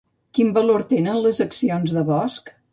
Quin valor tenen les accions de Bosch?